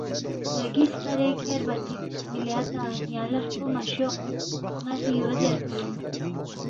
رَگی سپرے کھیربا چِک، مِلی اتا یانگ لہ ہرپو مہ شوخس، ن٘ا سی یو زیرفی اِن